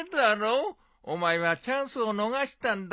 お前はチャンスを逃したんだ。